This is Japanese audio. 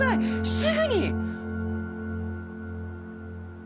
すぐに！